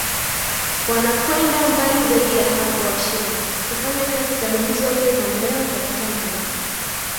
wanakwenda mbali Zaidi ya hapoWashenga hufanya kazi karibu zote za Mndewa katika ngazi